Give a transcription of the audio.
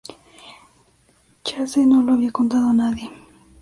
Chase no lo había contado a nadie.